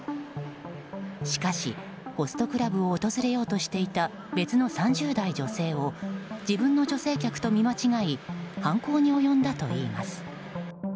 しかし、ホストクラブを訪れようとしていた別の３０代女性を自分の女性客と見間違い犯行に及んだといいます。